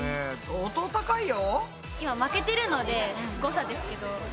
相当高いよ。